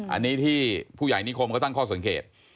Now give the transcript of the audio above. อันนี้ที่ผู้ใหญ่นิคมเขาตั้งข้อสังเกต